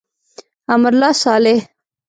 امرالله صالح.